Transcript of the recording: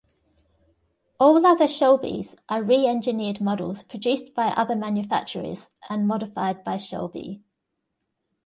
All other Shelbys are re-engineered models produced by other manufacturers and modified by Shelby.